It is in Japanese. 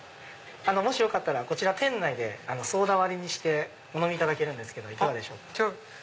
もしよかったらこちら店内でソーダ割りにしてお飲みいただけるんですけどいかがでしょう？